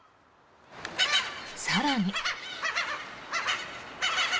更に。